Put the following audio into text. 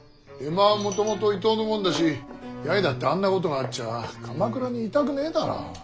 江間はもともと伊東のもんだし八重だってあんなことがあっちゃ鎌倉にいたくねえだろう。